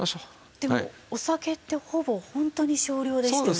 でもお酒ってほぼホントに少量でしたよね？